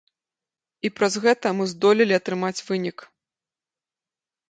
І праз гэта мы здолелі атрымаць вынік.